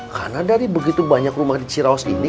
karena dari begitu banyak rumah di ciraus ini